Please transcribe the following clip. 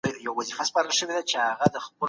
په جومات کي عبادت کول روح ته سکون ورکوي.